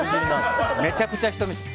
めちゃくちゃ人見知り。